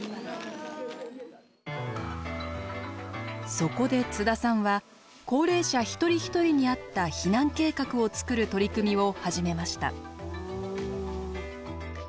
そこで津田さんは高齢者１人１人に合った避難計画を作る取り組みを始めました。